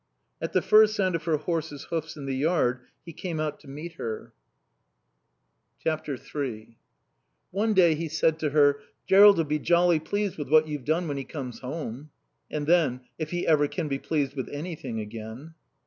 At the first sound of her horse's hoofs in the yard he came out to meet her. One day he said to her, "Jerrold'll be jolly pleased with what you've done when he comes home." And then, "If he ever can be pleased with anything again."